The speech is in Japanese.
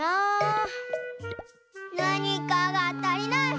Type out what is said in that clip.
なにかがたりない！